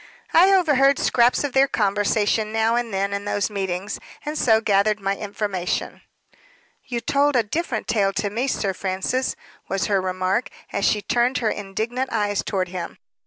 "I overheard scraps of their conversation now and then in those meetings, and so gathered my information." "You told a different tale to me, Sir Francis," was her remark, as she turned her indignant eyes toward him.